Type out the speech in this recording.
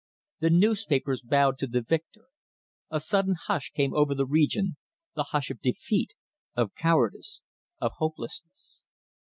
The newspapers bowed to the victor. A sudden hush came over the region, the hush of defeat, of cowardice, of hopelessness.